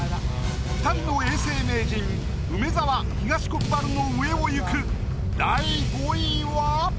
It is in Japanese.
２人の永世名人梅沢東国原の上をいく。